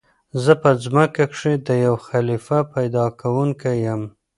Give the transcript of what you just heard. "زه په ځمكه كښي د يو خليفه پيدا كوونكى يم!"